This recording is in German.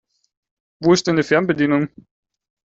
Wo ist denn die Fernbedienung?